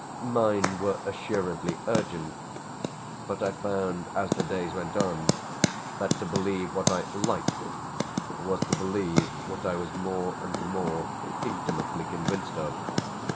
Mine were assuredly urgent, but I found as the days went on that to believe what I "liked" was to believe what I was more and more intimately convinced of.